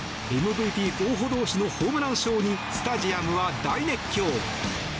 ＭＶＰ候補同士のホームランショーにスタジアムは大熱狂。